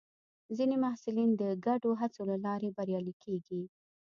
ځینې محصلین د ګډو هڅو له لارې بریالي کېږي.